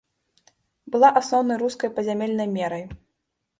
Была асноўнай рускай пазямельнай мерай.